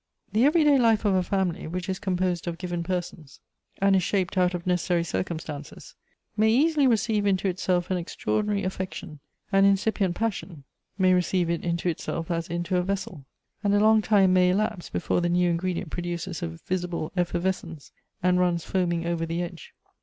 The every day life of a family, which is com posed of given persons, and is shaped out of necessary circumstances, may easily receive into itself an extraordi nary aflfection, an incipient passion — may receive it into itself as into a vessel ; and a long time may elapse before the new ingredient produces a visible effervescence, and runs foaming over the edge.